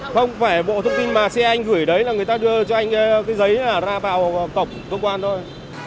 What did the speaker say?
không phải bộ thông tin mà xe anh gửi đấy là người ta đưa cho anh cái giấy ra vào cổng công quan thôi